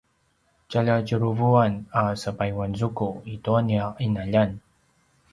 tjaljatjuruvuan a sepayuanzuku i tua nia ’inaljan